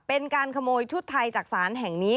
เป็นการขโมยชุดไทยจากศาลแห่งนี้